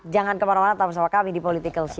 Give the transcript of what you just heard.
jangan kemana mana tetap bersama kami di political show